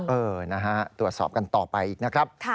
เออนะฮะตรวจสอบกันต่อไปอีกนะครับ